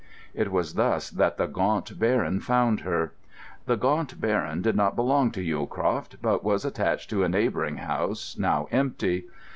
It was thus that the Gaunt Baron found her. The Gaunt Baron did not belong to Yewcroft, but was attached to a neighbouring house, now empty.